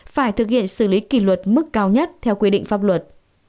phải thực hiện xử lý kỷ luật mức cao nhất theo quy định pháp luật